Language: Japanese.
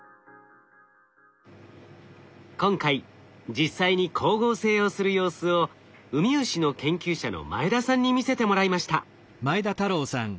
今回実際に光合成をする様子をウミウシの研究者の前田さんに見せてもらいました。